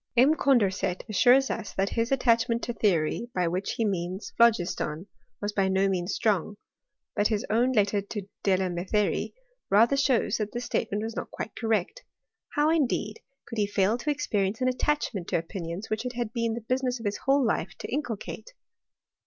M. Condorcet assures us that his attachment to theory, by which he means phlogiston, was by no means strong ;* but his own letter to Delametherie rather shows that this state ment was not quite correct. How, indeed, could he &0 to experience an attachment to opinions which it had been the business of his whole life to inculcate